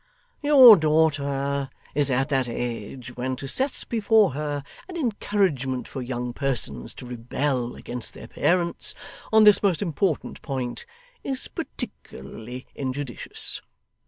Your daughter is at that age when to set before her an encouragement for young persons to rebel against their parents on this most important point, is particularly injudicious.